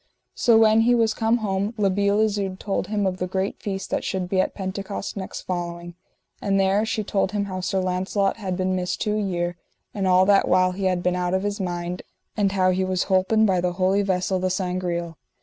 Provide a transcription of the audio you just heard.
So when he was come home La Beale Isoud told him of the great feast that should be at Pentecost next following, and there she told him how Sir Launcelot had been missed two year, and all that while he had been out of his mind, and how he was holpen by the holy vessel, the Sangreal.